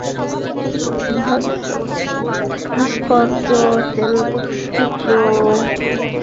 ভাস্কর্য, তেলচিত্র, জলরং, ছাপচিত্র এবং আলোকচিত্রসহ নানা মাধ্যমের কাজ স্থান পেয়েছে প্রদর্শনীতে।